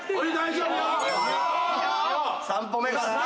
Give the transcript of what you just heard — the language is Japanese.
３歩目かな？